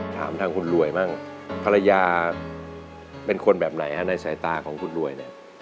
ถามทางคุณรวยบ้างภรรยาเป็นคนแบบไหนฮะในสายตาของคุณรวยเนี่ย